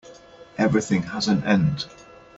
Everything has an end.